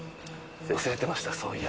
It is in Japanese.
忘れてましたそういや。